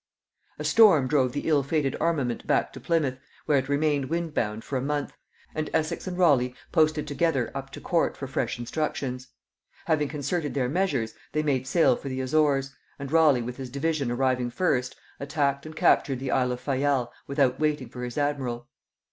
A storm drove the ill fated armament back to Plymouth, where it remained wind bound for a month, and Essex and Raleigh posted together up to court for fresh instructions. Having concerted their measures, they made sail for the Azores, and Raleigh with his division arriving first, attacked and captured the isle of Fayal without waiting for his admiral.